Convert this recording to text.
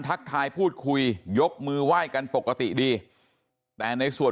ทักทายพูดคุยยกมือไหว้กันปกติดีแต่ในส่วน